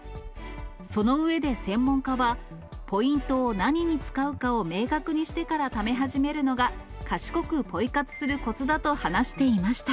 その上で専門家は、ポイントを何に使うかを明確にしてからため始めるのが賢くポイ活するこつだと話していました。